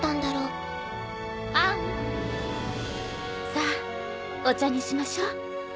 さぁお茶にしましょう。